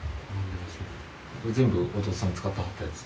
これ全部弟さん使ってはったやつ？